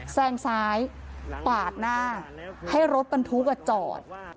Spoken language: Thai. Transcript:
แซงซ้ายปาดหน้าให้รถบรรทุกจอด